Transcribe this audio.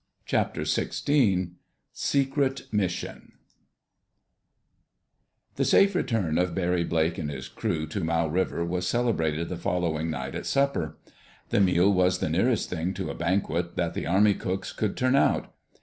CHAPTER SIXTEEN SECRET MISSION The safe return of Barry Blake and his crew to Mau River was celebrated the following night at supper. The meal was the nearest thing to a banquet that the army cooks could turn out.